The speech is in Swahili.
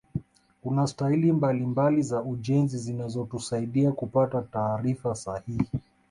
kuna staili mbalimbali za ujenzi zinazotusaaida kupata taarifa sahihi